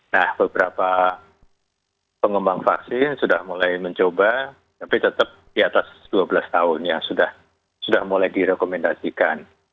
nah beberapa pengembang vaksin sudah mulai mencoba tapi tetap di atas dua belas tahun yang sudah mulai direkomendasikan